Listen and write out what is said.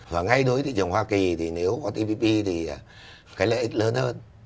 và ngay đối với thị trường hoa kỳ thì nếu có tpp thì cái lợi ích lớn hơn